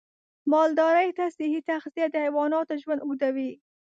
مالدارۍ ته صحي تغذیه د حیواناتو ژوند اوږدوي.